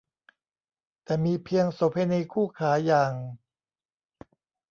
แต่มีเพียงโสเภณีคู่ขาอย่าง